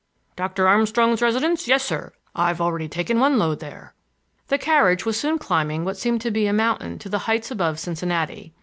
"Doctor Armstrong's residence? Yes, sir; I've already taken one load there" The carriage was soon climbing what seemed to be a mountain to the heights above Cincinnati.